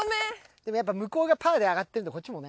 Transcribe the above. でもやっぱりむこうがパーであがってるとこっちもね。